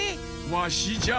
わしじゃ。